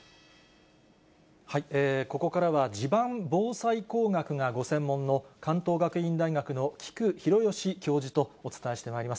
ここからは地盤防災工学がご専門の関東学院大学の規矩大義教授とお伝えしてまいります。